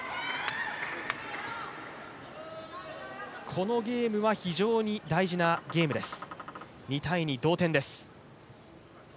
このゲームは非常に大事なゲームです。